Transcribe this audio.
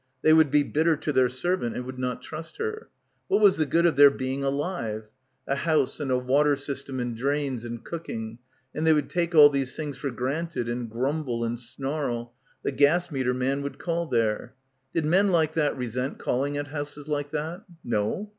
They would be bit ter to their servant and would not trust her. What was tftie good of their being alive ... a house and a water system and drains and cooking, and they would take all these things for granted and grumble and snarl ... the gas meter man would call there. Did men like that resent call ing at houses like that? No.